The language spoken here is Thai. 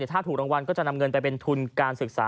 ถ้าถูกรางวัลก็จะนำเงินไปเป็นทุนการศึกษา